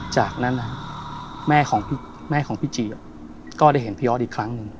จากนั้นแม่ของแม่ของพี่จีก็ได้เห็นพี่ออสอีกครั้งหนึ่ง